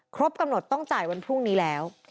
ครบกำหนดต้องจ่ายวันพรุ่งนี้แล้ว